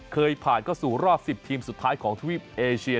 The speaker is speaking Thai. เคยผ่านเข้าสู่รอบ๑๐ทีมสุดท้ายของทวีปเอเชีย